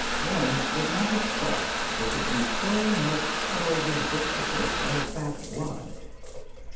One would not have thought there could be so much subtle vindictiveness in a fat blonde.